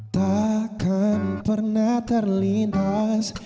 takkan pernah terlintas